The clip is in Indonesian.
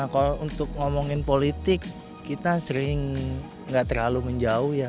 kalau untuk ngomongin politik kita sering nggak terlalu menjauh ya